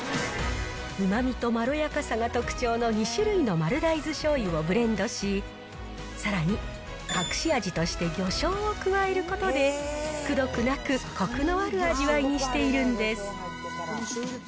うまみとまろやかさが特徴の２種類の丸大豆しょうゆをブレンドし、さらに隠し味として魚醤を加えることで、くどくなく、こくのある味わいにしているんです。